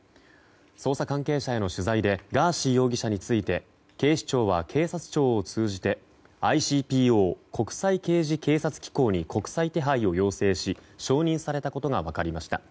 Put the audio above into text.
捜査関係者への取材でガーシー容疑者について警視庁は、警察庁を通じてＩＣＰＯ・国際刑事警察機構に国際手配を要請し承認されたことが分かりました。